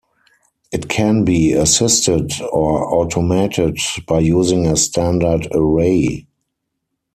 It can be assisted or automated by using a standard array.